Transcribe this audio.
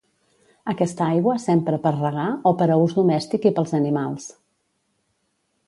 Aquesta aigua s'empra per regar o per a ús domèstic i pels animals.